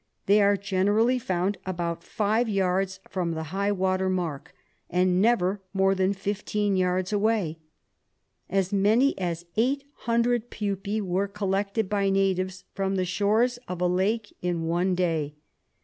They are generally found about five yards from the high water mark, and never more than 15 yards away. As many as 800 pupfc were collected by natives from the shores of a lake in one day.